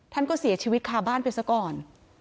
ท่านก็เสียชีวิตคาบ้านไปซะก่อน